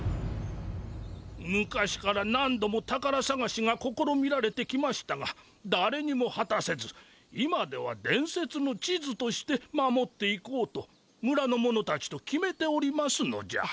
昔から何度も宝さがしがこころみられてきましたがだれにもはたせず今ではでんせつの地図として守っていこうと村の者たちと決めておりますのじゃ。